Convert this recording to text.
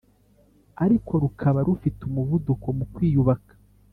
ariko rukaba rufite umuvuduko mu kwiyubaka